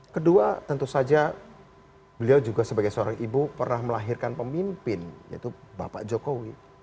kedua tentu saja beliau juga sebagai seorang ibu pernah melahirkan pemimpin yaitu bapak jokowi